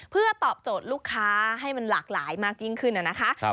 เพื่อตอบโจทย์ลูกค้าให้มันหลากหลายมากยิ่งขึ้นนะคะ